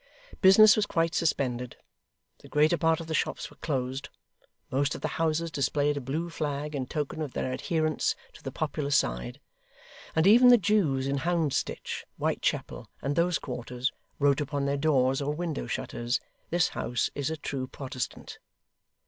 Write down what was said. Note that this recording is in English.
Business was quite suspended; the greater part of the shops were closed; most of the houses displayed a blue flag in token of their adherence to the popular side; and even the Jews in Houndsditch, Whitechapel, and those quarters, wrote upon their doors or window shutters, 'This House is a True Protestant.